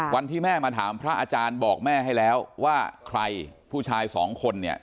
วันที่แม่มาถามพระอาจารย์บอกแม่ให้แล้วว่าใครผู้ชายสองคนเนี่ย